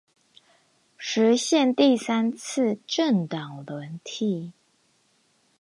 實現第三次政黨輪替